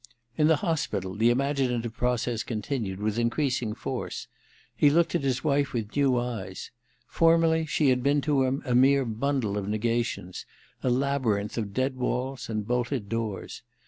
In the hospital the imaginative process con tinued with increasing force. He looked at his wife with new eyes. Formerly she had been to him a mere bundle of negations, a labyrinth of dead walls and bolted doors.